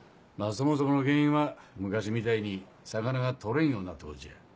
そもそもの原因は昔みたいに魚が取れんようになったことじゃ。